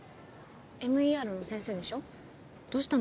ＭＥＲの先生でしょどうしたの？